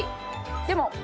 でも。